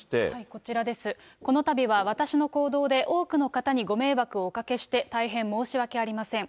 このたびは私の行動で、多くの方にご迷惑をおかけして大変申し訳ありません。